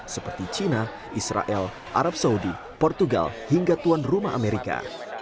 seperti china israel arab saudi portugal hingga tuan rumah amerika